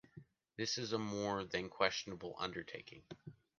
This is a more than questionable undertaking.